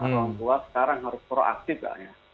orang tua sekarang harus proaktif pak ya